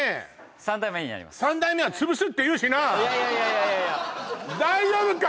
三代目になります「三代目は潰す」っていうしないやいやいや大丈夫か？